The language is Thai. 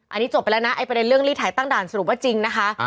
อันนี้จบไปแล้วนะไอ้ประเด็นเรื่องรีดถ่ายตั้งด่านสรุปว่าจริงนะคะ